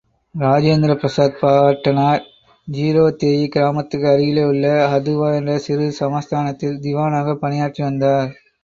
இராஜேந்திர பிரசாத் பாட்டனார், ஜீராதேயீ கிராமத்துக்கு அருகிலே உள்ள ஹதுவா என்ற சிறு சமஸ்தானத்தில், திவானாகப் பணியாற்றி வந்தார்.